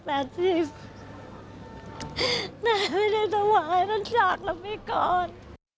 แต่ไม่ได้ถวายนั้นจากระมีก่อน